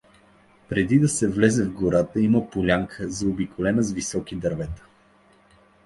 Преди да се влезе в гората, има полянка, заобиколена с високи дървета.